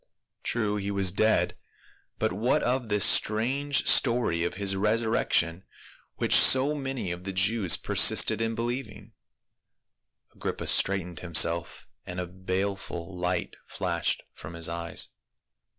True he was dead, but what of this strange story of his resurrection which so many of the Jews persisted in believing ? Agrippa straightened himself and a baleful light flashed from his eyes.